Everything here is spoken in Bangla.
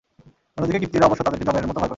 অন্যদিকে কিবতীরা অবশ্য তাদেরকে যমের মত ভয় করত।